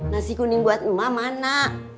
nasi kuning buat emak mana